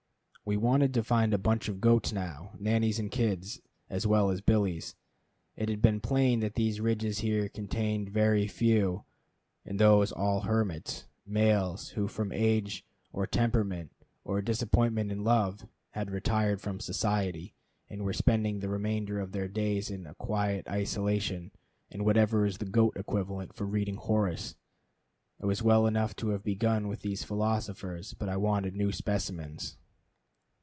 We wanted to find a bunch of goats now, nannies and kids, as well as billies. It had been plain that these ridges here contained very few, and those all hermits; males who from age, or temperament, or disappointment in love, had retired from society, and were spending the remainder of their days in a quiet isolation and whatever is the goat equivalent for reading Horace. It was well enough to have begun with these philosophers, but I wanted new specimens.